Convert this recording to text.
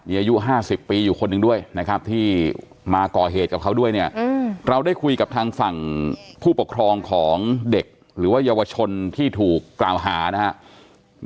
อายุ๕๐ปีอยู่คนหนึ่งด้วยนะครับที่มาก่อเหตุกับเขาด้วยเนี่ยเราได้คุยกับทางฝั่งผู้ปกครองของเด็กหรือว่าเยาวชนที่ถูกกล่าวหานะครับ